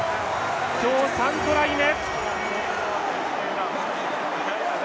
今日３トライ目！